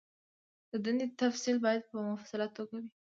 د دندې تفصیل باید په مفصله توګه وي.